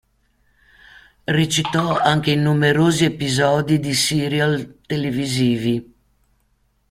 Recitò anche in numerosi episodi di "serial" televisivi.